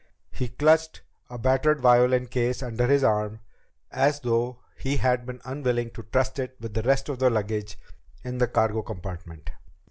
He clutched a battered violin case under his arm, as though he had been unwilling to trust it with the rest of the luggage in the cargo compartment.